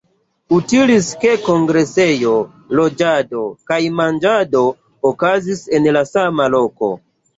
Utilis ke kongresejo, loĝado kaj manĝado okazis en la sama loko.